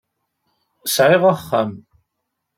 Sɛiɣ axxam.